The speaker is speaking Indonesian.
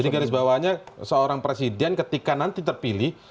jadi garis bawahnya seorang presiden ketika nanti terpilih